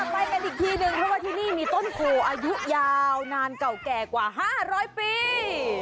ไปกันอีกทีนึงเพราะว่าที่นี่มีต้นโพอายุยาวนานเก่าแก่กว่า๕๐๐ปี